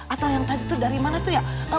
atau yang tadi itu dari mana tuh ya